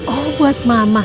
oh buat mama